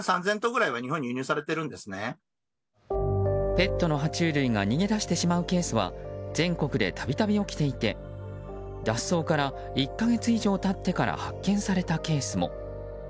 ペットの、は虫類が逃げ出してしまうケースは全国で度々起きていて脱走から１か月以上経ってから発見されたケースも。